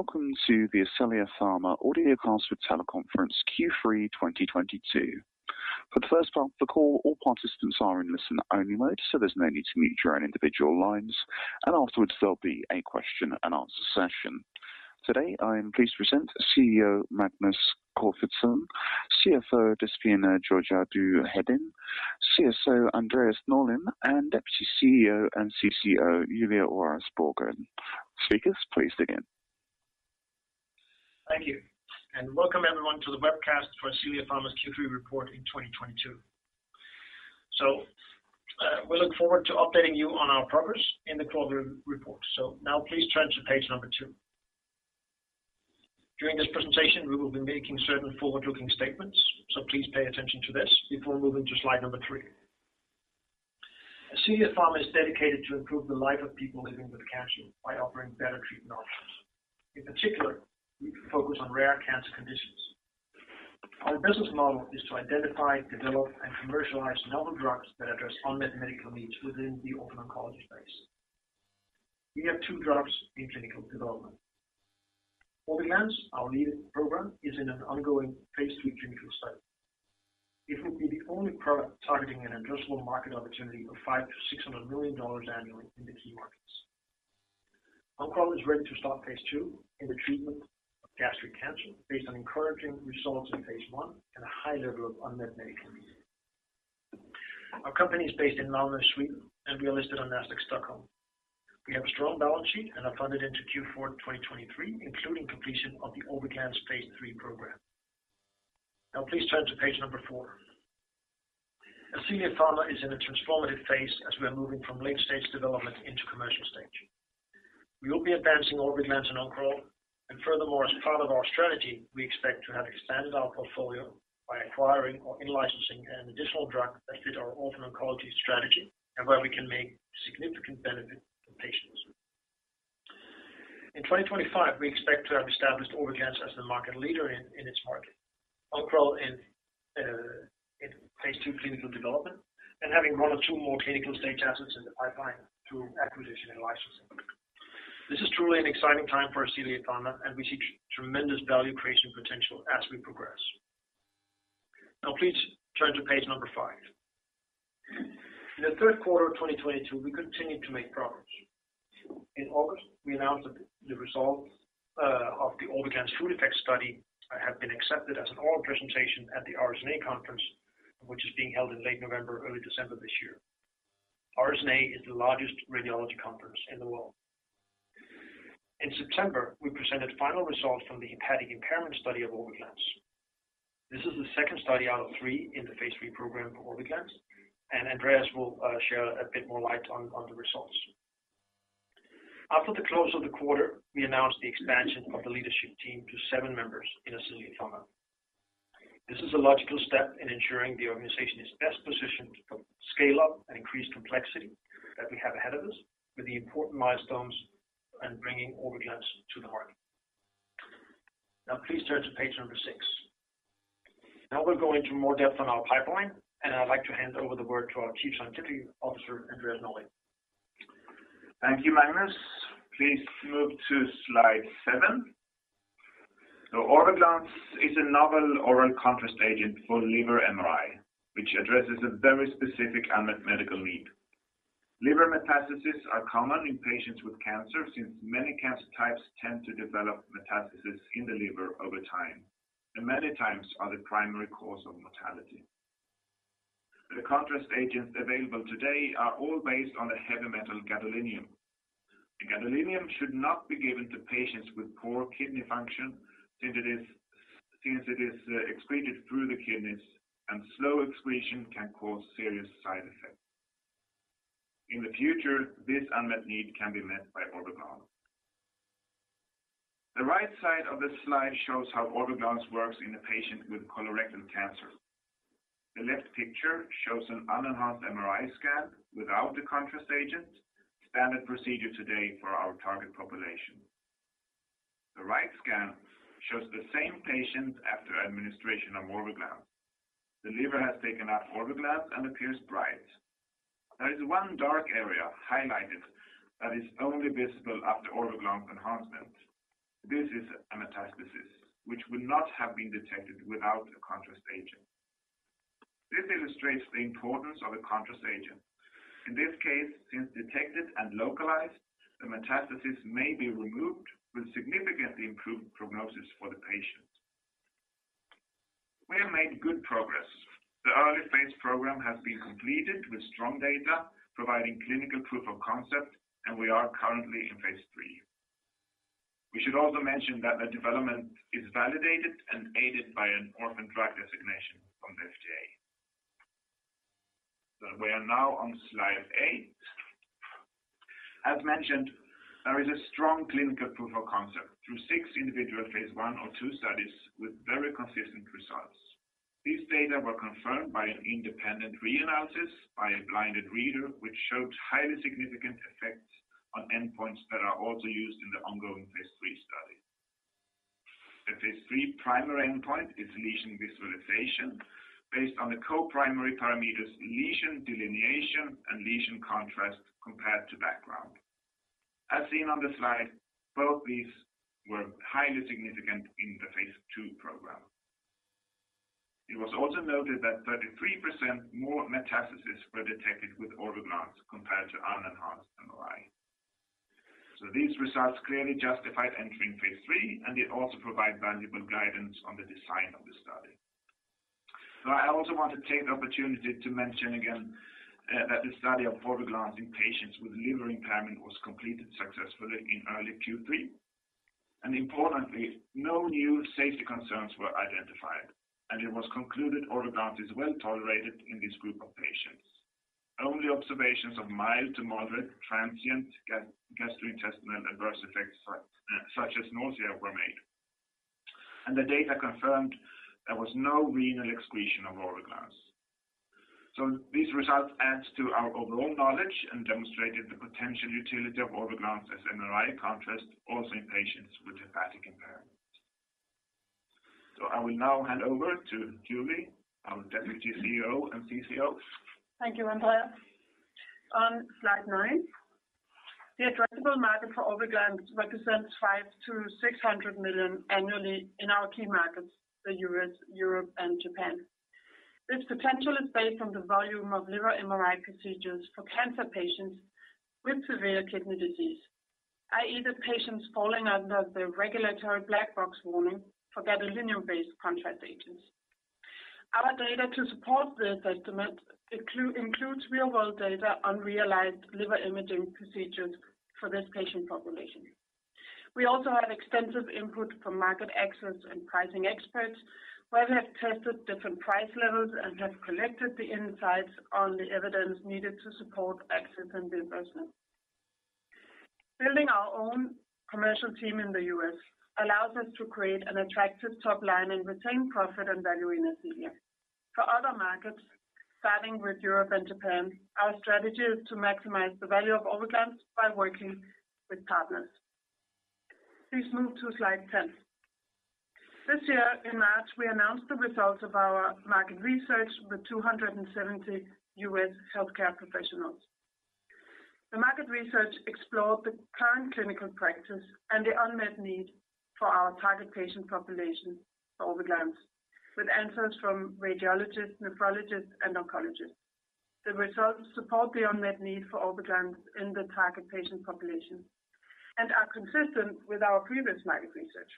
Welcome to the Ascelia Pharma audiocast for teleconference Q3 2022. For the first part of the call, all participants are in listen-only mode, so there's no need to mute your own individual lines. Afterwards, there'll be a question and answer session. Today, I am pleased to present CEO, Magnus Corfitzen; CFO, Déspina Georgiadou Hedin; CSO, Andreas Norlin; and Deputy CEO and CCO, Julie Waras Brogren. Speakers, please begin. Thank you. Welcome everyone to the webcast for Ascelia Pharma's Q3 report in 2022. We look forward to updating you on our progress in the quarter report. Now please turn to page number two. During this presentation, we will be making certain forward-looking statements, so please pay attention to this before moving to slide number three. Ascelia Pharma is dedicated to improve the life of people living with cancer by offering better treatment options. In particular, we focus on rare cancer conditions. Our business model is to identify, develop, and commercialize novel drugs that address unmet medical needs within the orphan oncology space. We have two drugs in clinical development. Orviglance, our leading program, is in an ongoing phase II clinical study. It will be the only product targeting an addressable market opportunity of $500 million-$600 million annually in the key markets. Oncoral is ready to start phase II in the treatment of gastric cancer based on encouraging results in phase I and a high level of unmet medical need. Our company is based in Malmö, Sweden, and we are listed on Nasdaq Stockholm. We have a strong balance sheet and finally entered Q4 2023, including completion of the Orviglance phase III program. Now please turn to page four. Ascelia Pharma is in a transformative phase as we are moving from late-stage development into commercial stage. We will be advancing Orviglance and Oncoral, and furthermore, as part of our strategy, we expect to have expanded our portfolio by acquiring or in-licensing an additional drug that fit our orphan oncology strategy and where we can make significant benefit to patients. In 2025, we expect to have established Orviglance as the market leader in its market. Oncoral in phase II clinical development, and having one or two more clinical-stage assets in the pipeline through acquisition and licensing. This is truly an exciting time for Ascelia Pharma, and we see tremendous value creation potential as we progress. Now please turn to page five. In the third quarter of 2022, we continued to make progress. In August, we announced that the results of the Orviglance food effect study have been accepted as an oral presentation at the RSNA conference, which is being held in late November, early December this year. RSNA is the largest radiology conference in the world. In September, we presented final results from the hepatic impairment study of Orviglance. This is the second study out of three in the phase III program for Orviglance, and Andreas will shed a bit more light on the results. After the close of the quarter, we announced the expansion of the leadership team to seven members in Ascelia Pharma. This is a logical step in ensuring the organization is best positioned to scale up and increase complexity that we have ahead of us with the important milestones and bringing Orviglance to the market. Now please turn to page number six. Now we'll go into more depth on our pipeline, and I'd like to hand over the word to our Chief Scientific Officer, Andreas Norlin. Thank you, Magnus. Please move to slide seven. Orviglance is a novel oral contrast agent for liver MRI, which addresses a very specific unmet medical need. Liver metastases are common in patients with cancer, since many cancer types tend to develop metastases in the liver over time, and many times are the primary cause of mortality. The contrast agents available today are all based on a heavy metal gadolinium. The gadolinium should not be given to patients with poor kidney function, since it is excreted through the kidneys, and slow excretion can cause serious side effects. In the future, this unmet need can be met by Orviglance. The right side of this slide shows how Orviglance works in a patient with colorectal cancer. The left picture shows an unenhanced MRI scan without the contrast agent, standard procedure today for our target population. The right scan shows the same patient after administration of Orviglance. The liver has taken up Orviglance and appears bright. There is one dark area highlighted that is only visible after Orviglance enhancement. This is a metastasis, which would not have been detected without a contrast agent. This illustrates the importance of a contrast agent. In this case, since detected and localized, the metastasis may be removed with significantly improved prognosis for the patient. We have made good progress. The early phase program has been completed with strong data providing clinical proof of concept, and we are currently in phase III. We should also mention that the development is validated and aided by an Orphan Drug Designation from the FDA. We are now on slide eight. As mentioned, there is a strong clinical proof of concept through six individual phase I or II studies with very consistent results. These data were confirmed by an independent reanalysis by a blinded reader, which showed highly significant effects on endpoints that are also used in the ongoing phase III study. The phase III primary endpoint is lesion visualization based on the co-primary parameters lesion delineation and lesion contrast compared to background. As seen on the slide, both these were highly significant in the phase II program. It was also noted that 33% more metastases were detected with Orviglance compared to unenhanced MRI. These results clearly justified entering phase III, and they also provide valuable guidance on the design of the study. I also want to take the opportunity to mention again, that the study of Orviglance in patients with liver impairment was completed successfully in early Q3. Importantly, no new safety concerns were identified, and it was concluded Orviglance is well-tolerated in this group of patients. Only observations of mild to moderate transient gastrointestinal adverse effects, such as nausea were made. The data confirmed there was no renal excretion of Orviglance. These results add to our overall knowledge and demonstrated the potential utility of Orviglance as MRI contrast also in patients with hepatic impairment. I will now hand over to Julie, our Deputy CEO and CCO. Thank you, Andreas. On slide nine, the addressable market for Orviglance represents $500 million-$600 million annually in our key markets, the U.S., Europe and Japan. This potential is based on the volume of liver MRI procedures for cancer patients with severe kidney disease, i.e., the patients falling under the regulatory black box warning for gadolinium-based contrast agents. Our data to support this estimate includes real-world data on realized liver imaging procedures for this patient population. We also have extensive input from market access and pricing experts, where they have tested different price levels and have collected the insights on the evidence needed to support access and reimbursement. Building our own commercial team in the U.S. allows us to create an attractive top line and retain profit and value in Ascelia. For other markets, starting with Europe and Japan, our strategy is to maximize the value of Orviglance by working with partners. Please move to slide 10. This year in March, we announced the results of our market research with 270 U.S. healthcare professionals. The market research explored the current clinical practice and the unmet need for our target patient population for Orviglance, with answers from radiologists, nephrologists, and oncologists. The results support the unmet need for Orviglance in the target patient population and are consistent with our previous market research.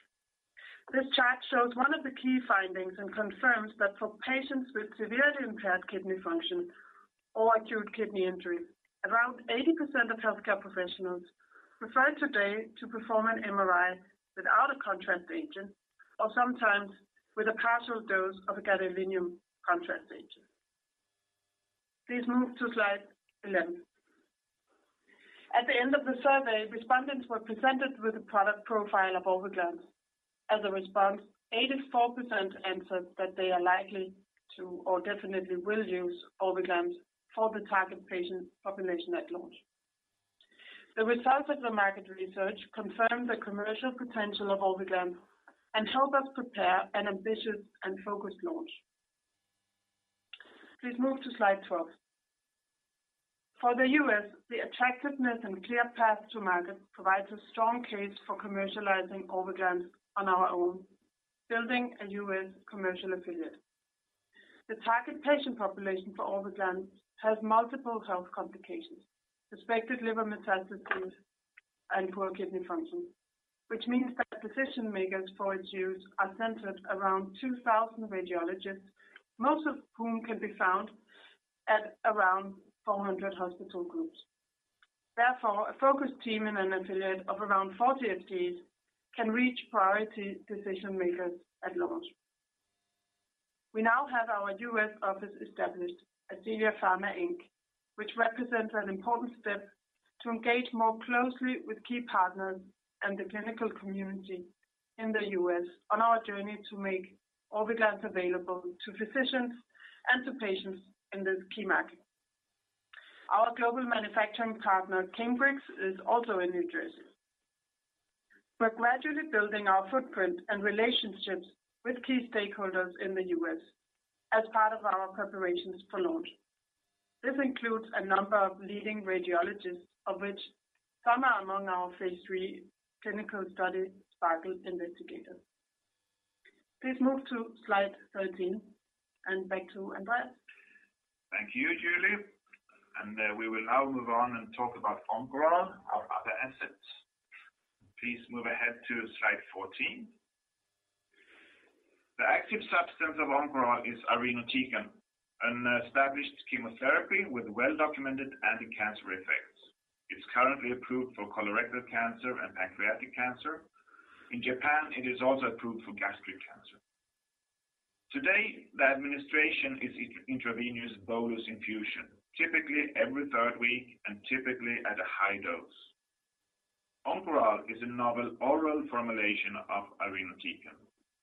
This chart shows one of the key findings and confirms that for patients with severely impaired kidney function or acute kidney injury, around 80% of healthcare professionals prefer today to perform an MRI without a contrast agent or sometimes with a partial dose of a gadolinium contrast agent. Please move to slide 11. At the end of the survey, respondents were presented with a product profile of Orviglance. As a response, 84% answered that they are likely to or definitely will use Orviglance for the target patient population at launch. The results of the market research confirm the commercial potential of Orviglance and help us prepare an ambitious and focused launch. Please move to slide 12. For the U.S., the attractiveness and clear path to market provides a strong case for commercializing Orviglance on our own, building a U.S. commercial affiliate. The target patient population for Orviglance has multiple health complications, suspected liver metastases and poor kidney function, which means that decision-makers for its use are centered around 2,000 radiologists, most of whom can be found at around 400 hospital groups. Therefore, a focused team and an affiliate of around 40 FTEs can reach priority decision-makers at launch. We now have our U.S. office established, Ascelia Pharma Inc., which represents an important step to engage more closely with key partners and the clinical community in the U.S. on our journey to make Orviglance available to physicians and to patients in this key market. Our global manufacturing partner, Cambrex, is also in New Jersey. We're gradually building our footprint and relationships with key stakeholders in the U.S. as part of our preparations for launch. This includes a number of leading radiologists, of which some are among our phase III clinical study SPARKLE investigators. Please move to slide 13. Back to Andreas. Thank you, Julie. We will now move on and talk about Oncoral, our other assets. Please move ahead to slide 14. The active substance of Oncoral is irinotecan, an established chemotherapy with well-documented anti-cancer effects. It's currently approved for colorectal cancer and pancreatic cancer. In Japan, it is also approved for gastric cancer. Today, the administration is intravenous bolus infusion, typically every third week and typically at a high dose. Oncoral is a novel oral formulation of irinotecan.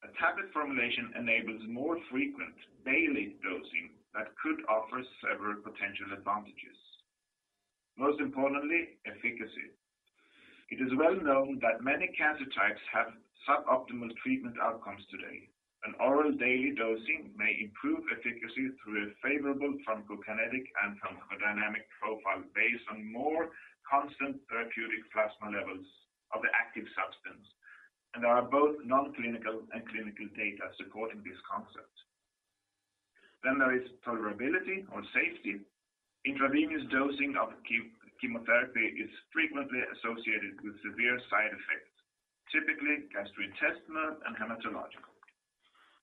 A tablet formulation enables more frequent daily dosing that could offer several potential advantages. Most importantly, efficacy. It is well known that many cancer types have suboptimal treatment outcomes today. An oral daily dosing may improve efficacy through a favorable pharmacokinetic and pharmacodynamic profile based on more constant therapeutic plasma levels of the active substance, and there are both non-clinical and clinical data supporting this concept. There is tolerability or safety. Intravenous dosing of chemotherapy is frequently associated with severe side effects, typically gastrointestinal and hematological.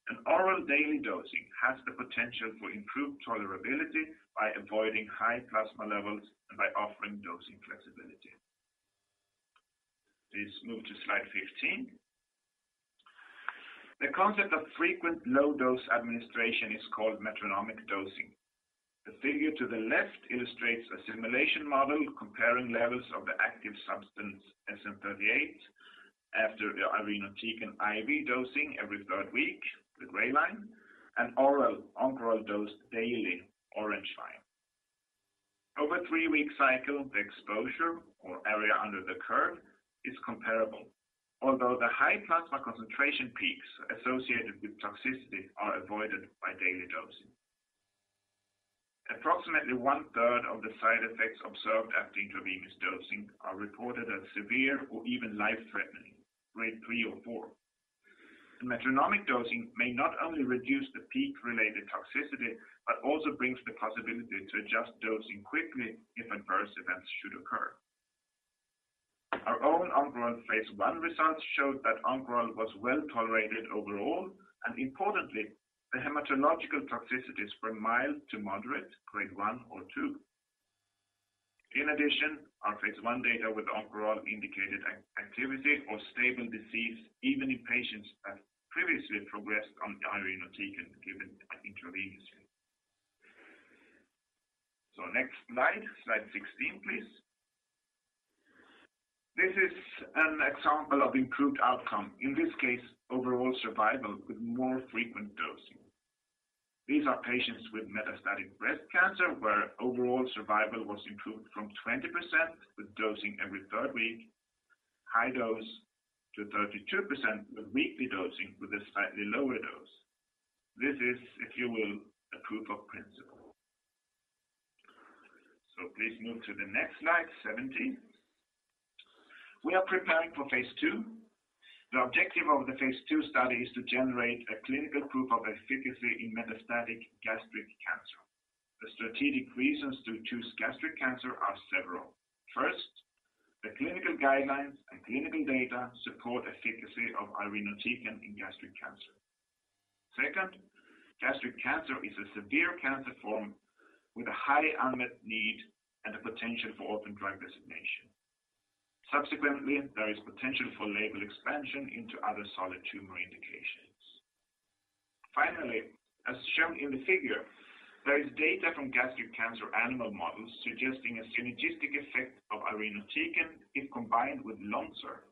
An oral daily dosing has the potential for improved tolerability by avoiding high plasma levels and by offering dosing flexibility. Please move to slide 15. The concept of frequent low-dose administration is called metronomic dosing. The figure to the left illustrates a simulation model comparing levels of the active substance, SN-38, after the irinotecan IV dosing every third week, the gray line, and oral Oncoral dose daily, orange line. Over a three-week cycle, the exposure or area under the curve is comparable, although the high plasma concentration peaks associated with toxicity are avoided by daily dosing. Approximately 1/3 of the side effects observed after intravenous dosing are reported as severe or even life-threatening, Grade 3 or 4. Metronomic dosing may not only reduce the peak-related toxicity but also brings the possibility to adjust dosing quickly if adverse events should occur. Our own Oncoral phase I results showed that Oncoral was well-tolerated overall, and importantly, the hematological toxicities were mild to moderate, Grade 1 or 2. In addition, our phase I data with Oncoral indicated anti-cancer activity or stable disease even in patients that previously progressed on the irinotecan given intravenously. Next slide 16, please. This is an example of improved outcome, in this case, overall survival with more frequent dosing. These are patients with metastatic breast cancer, where overall survival was improved from 20% with dosing every third week, high dose, to 32% with weekly dosing with a slightly lower dose. This is, if you will, a proof of principle. Please move to the next slide, 17. We are preparing for phase II. The objective of the phase II study is to generate a clinical proof of efficacy in metastatic gastric cancer. The strategic reasons to choose gastric cancer are several. First, the clinical guidelines and clinical data support efficacy of irinotecan in gastric cancer. Second, gastric cancer is a severe cancer form with a high unmet need and a potential for Orphan Drug Designation. Subsequently, there is potential for label expansion into other solid tumor indications. Finally, as shown in the figure, there is data from gastric cancer animal models suggesting a synergistic effect of irinotecan if combined with LONSURF.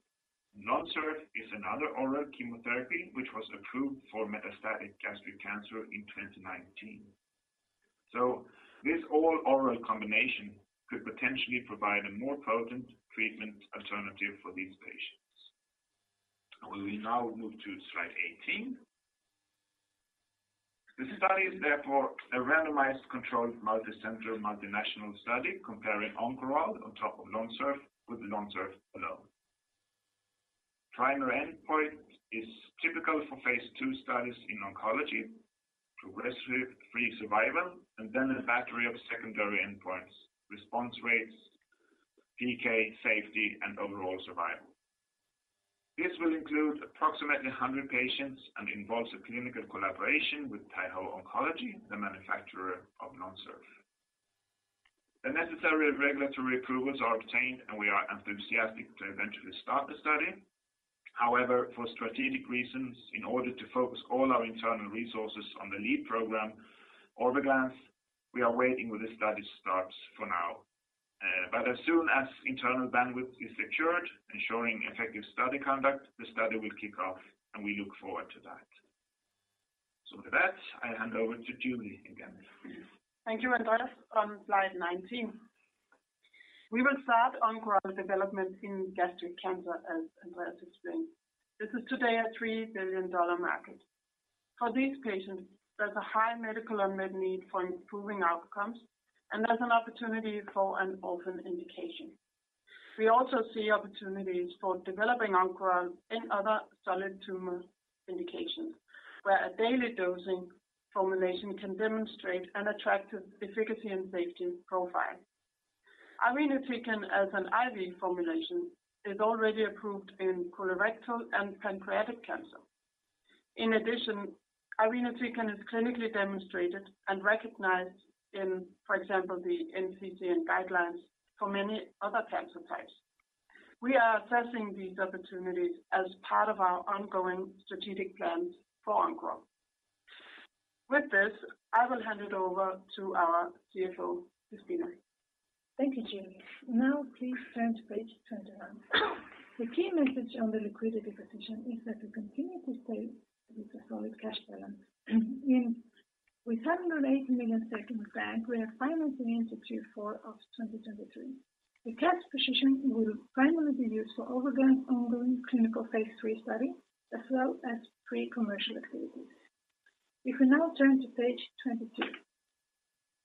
LONSURF is another oral chemotherapy which was approved for metastatic gastric cancer in 2019. This all oral combination could potentially provide a more potent treatment alternative for these patients. We will now move to slide 18. The study is therefore a randomized controlled multicenter multinational study comparing Oncoral on top of LONSURF with LONSURF alone. Primary endpoint is typical for phase II studies in oncology, progression-free survival, and then a battery of secondary endpoints, response rates, PK, safety, and overall survival. This will include approximately 100 patients and involves a clinical collaboration with Taiho Oncology, the manufacturer of LONSURF. The necessary regulatory approvals are obtained, and we are enthusiastic to eventually start the study. However, for strategic reasons, in order to focus all our internal resources on the lead program, Orviglance, we are waiting with the study starts for now. But as soon as internal bandwidth is secured, ensuring effective study conduct, the study will kick off, and we look forward to that. With that, I hand over to Julie again, please. Thank you, Andreas. On slide 19. We will start Oncoral development in gastric cancer, as Andreas explained. This is today a $3 billion market. For these patients, there's a high medical unmet need for improving outcomes, and there's an opportunity for an open indication. We also see opportunities for developing Oncoral in other solid tumor indications, where a daily dosing formulation can demonstrate an attractive efficacy and safety profile. Irinotecan as an IV formulation is already approved in colorectal and pancreatic cancer. In addition, irinotecan is clinically demonstrated and recognized in, for example, the NCCN guidelines for many other cancer types. We are assessing these opportunities as part of our ongoing strategic plans for Oncoral. With this, I will hand it over to our CFO, Déspina. Thank you, Julie. Now please turn to page 21. The key message on the liquidity position is that we continue to stay with a solid cash balance. With SEK 708 million in the bank, we have finally entered Q4 of 2023. The cash position will finally be used for ongoing clinical phase III study, as well as pre-commercial activities. If we now turn to page 22.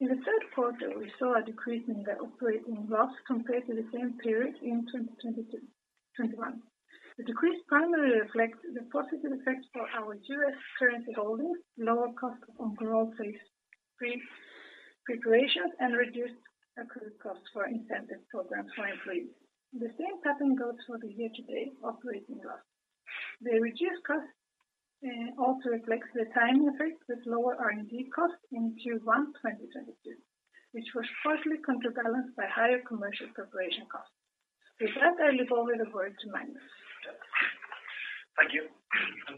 In the third quarter, we saw a decrease in the operating loss compared to the same period in 2022. The decrease primarily reflects the positive effects for our U.S. currency holdings, lower cost on growth-based free preparations, and reduced equity costs for incentive programs for employees. The same pattern goes for the year-to-date operating loss. The reduced cost also reflects the timing effect with lower R&D costs in Q1 2022, which was partly counterbalanced by higher commercial preparation costs. With that, I hand over the word to Magnus. Thank you.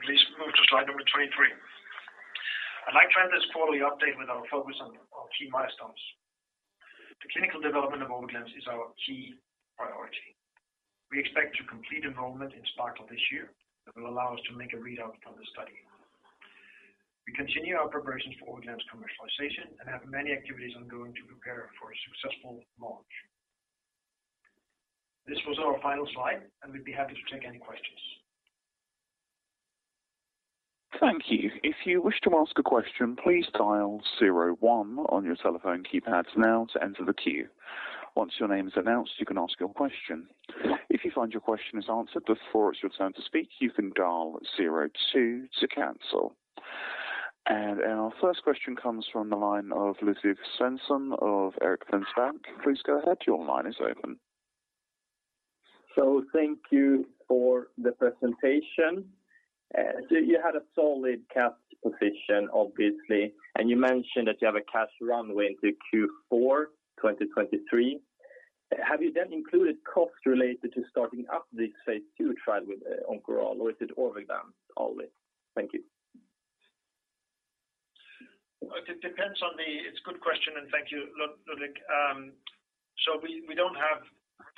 Please move to slide number 23. I'd like to end this quarterly update with our focus on key milestones. The clinical development of Orviglance is our key priority. We expect to complete enrollment in SPARKLE this year. That will allow us to make a readout from the study. We continue our preparations for Orviglance commercialization and have many activities ongoing to prepare for a successful launch. This was our final slide, and we'd be happy to take any questions. Thank you. If you wish to ask a question, please dial zero one on your telephone keypads now to enter the queue. Once your name is announced, you can ask your question. If you find your question is answered before it's your turn to speak, you can dial zero two to cancel. Our first question comes from the line of Ludvig Svensson of Erik Penser Bank. Please go ahead. Your line is open. Thank you for the presentation. You had a solid cash position, obviously, and you mentioned that you have a cash runway into Q4 2023. Have you then included costs related to starting up this phase II trial with Oncoral, or is it Orviglance only? Thank you. It's a good question, and thank you, Ludvig. We don't have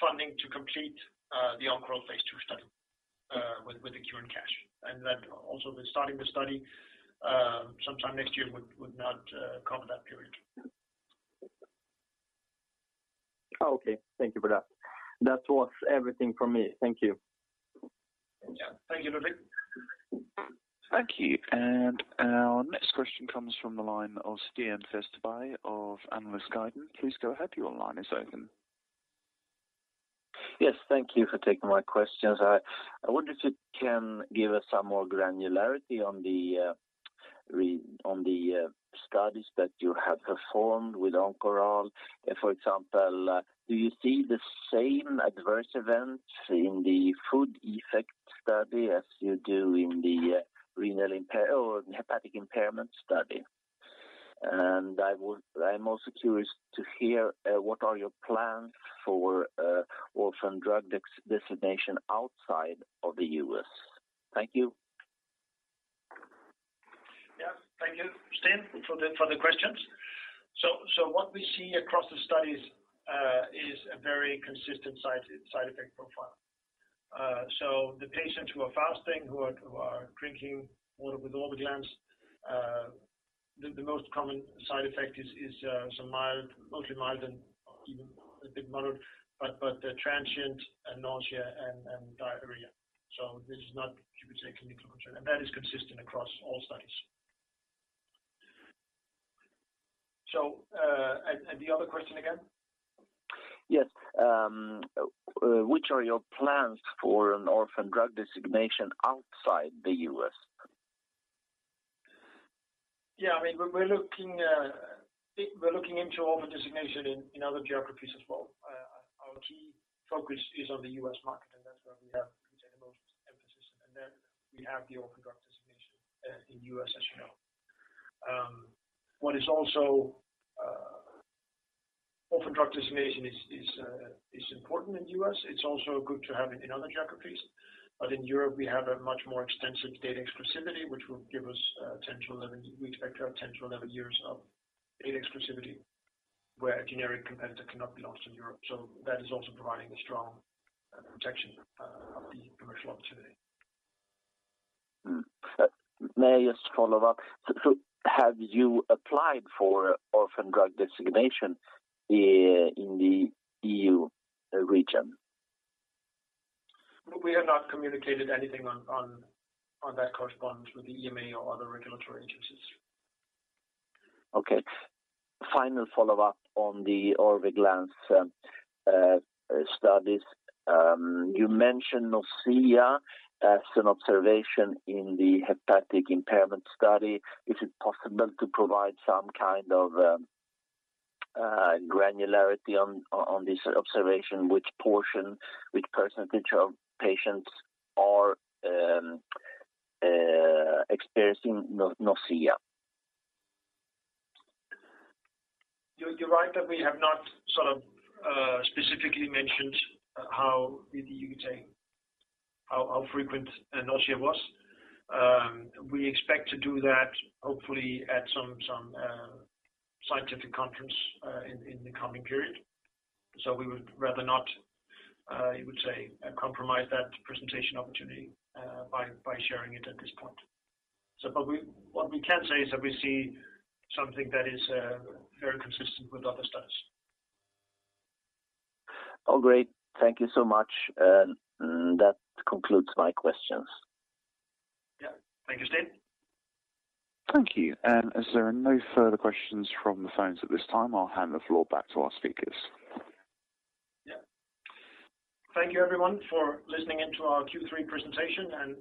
funding to complete the Oncoral phase II study with the current cash. With starting the study sometime next year would not cover that period. Oh, okay. Thank you for that. That was everything from me. Thank you. Yeah. Thank you, Ludvig. Thank you. Our next question comes from the line of Sten Gustafsson of ABG Sundal Collier. Please go ahead. Your line is open. Yes. Thank you for taking my questions. I wonder if you can give us some more granularity on the studies that you have performed with Oncoral. For example, do you see the same adverse events in the food effect study as you do in the renal impairment or hepatic impairment study? I'm also curious to hear what are your plans for Orphan Drug Designation outside of the U.S.. Thank you. Yeah. Thank you, Sten, for the questions. What we see across the studies is a very consistent side effect profile. The patients who are fasting, who are drinking water with Orviglance, the most common side effect is some mild, mostly mild and even a bit moderate, but transient nausea and diarrhea. This is not, you could say, a clinical concern. That is consistent across all studies. The other question again? Yes. What are your plans for an Orphan Drug Designation outside the U.S.? Yeah. I mean, we're looking Orphan Drug Designation in other geographies as well. Our key focus is on the U.S. market, and that's where we have the most emphasis. We have the Orphan Drug Designation in U.S., as you know. Orphan Drug Designation is important in the U.S., it's also good to have it in other geographies. In Europe, we have a much more extensive data exclusivity, which will give us 10-11. We expect to have 10-11 years of data exclusivity, where a generic competitor cannot be launched in Europe. That is also providing a strong protection of the commercial opportunity. May I just follow up? Have you applied for Orphan Drug Designation in the EU region? We have not communicated anything on that correspondence with the EMA or other regulatory agencies. Okay. Final follow-up on the Orviglance studies. You mentioned nausea as an observation in the hepatic impairment study. Is it possible to provide some kind of granularity on this observation, which portion, which percentage of patients are experiencing nausea? You're right that we have not sort of specifically mentioned how you could say how frequent nausea was. We expect to do that hopefully at some scientific conference in the coming period. We would rather not, you would say, compromise that presentation opportunity by sharing it at this point. But what we can say is that we see something that is very consistent with other studies. Oh, great. Thank you so much. That concludes my questions. Yeah. Thank you, Sten. Thank you. As there are no further questions from the phones at this time, I'll hand the floor back to our speakers. Yeah. Thank you everyone for listening in to our Q3 presentation and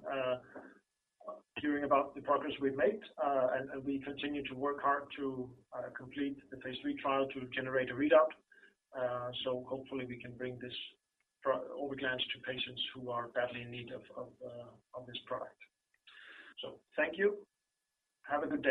hearing about the progress we've made. We continue to work hard to complete the phase III trial to generate a readout. Hopefully we can bring this Orviglance to patients who are badly in need of this product. Thank you. Have a good day.